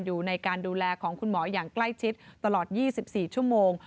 อยู่ในการดูแลของคุณหมออย่างใกล้ชิดตลอด๒๔ชั่วโมง